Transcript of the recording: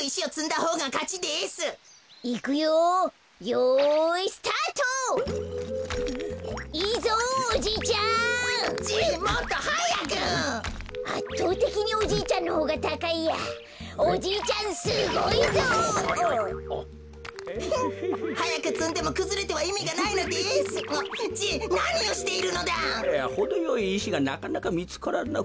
ほどよいいしがなかなかみつからなく。